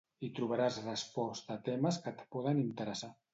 Hi trobaràs resposta a temes que et poden interessar.